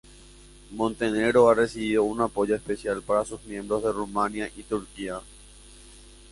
Montenegro ha recibido un apoyo especial para sus miembros de Rumania y Turquía.